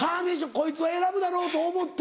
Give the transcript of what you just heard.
こいつは選ぶだろうと思って？